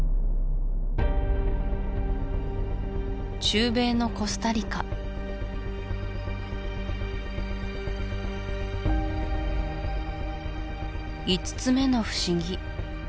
中米のコスタリカ５つ目の不思議